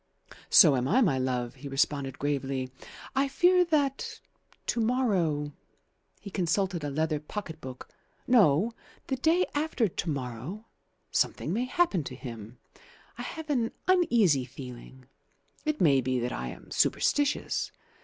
"So am I, my love," he responded gravely. "I fear that to morrow" he consulted a leather pocket book "no, the day after to morrow, something may happen to him. I have an uneasy feeling. It may be that I am superstitious.